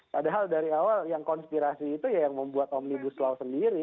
padahal dari awal yang konspirasi itu ya yang membuat omnibus law sendiri